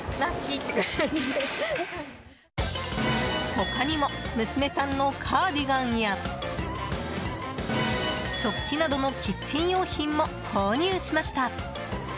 他にも娘さんのカーディガンや食器などのキッチン用品も購入しました。